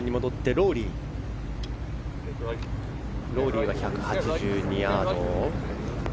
ロウリーは１８２ヤード。